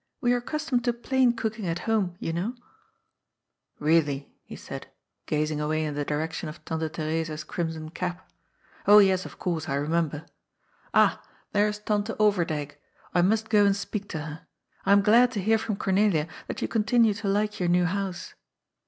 We are accustomed to plain cooking at home, you know." A STRANGE DUCK IN THE POND. 307 *^ Beally ?" he said, gazing away in the direction of Tante Theresa'fl crimson cap. " Oh yes, of course, I remember. Ah, there is Tante Overdyk. I must go and speak to her. I am glad to hear from Cornelia that you continue to like your new house.